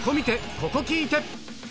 ここ聴いて！